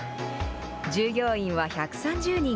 従業員は１３０人。